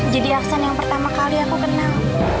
jadi aksan yang pertama kali aku kenal